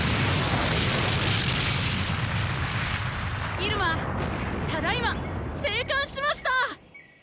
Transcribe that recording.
入間ただいま生還しましたぁ！